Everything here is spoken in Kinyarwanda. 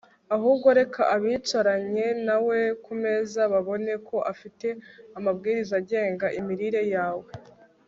ahubwo reka abicaranye nawe ku meza babone ko ufite amabwiriza agenga imirire yawe